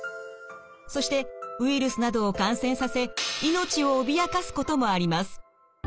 そしてウイルスなどを感染させ命を脅かすこともあります。